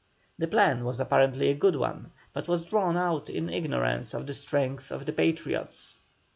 The plan was apparently a good one, but was drawn out in ignorance of the strength of the Patriots.